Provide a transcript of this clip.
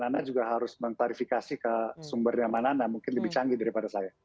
mbak nana juga harus memparifikasi ke sumbernya manana mungkin lebih canggih daripada saya